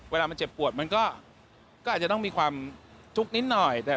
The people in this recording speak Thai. เวลามันเจ็บปวดมันก็อาจจะต้องมีความทุกข์นิดหน่อย